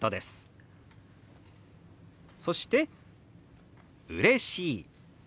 そして「うれしい」。